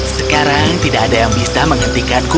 sekarang tidak ada yang bisa menghentikanku